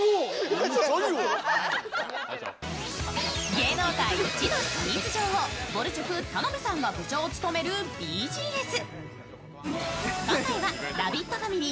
芸能界一のスイーツ女王、ぼる塾・田辺さんが部長を務めるＢＧＳ。